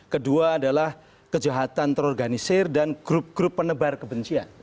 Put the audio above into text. kedua adalah kejahatan terorganisir dan grup grup penebar kebencian